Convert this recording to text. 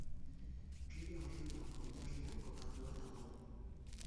Rio Arriba konderrian kokatua dago.